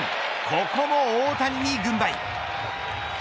ここも大谷に軍配。